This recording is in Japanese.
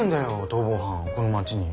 逃亡犯この町に。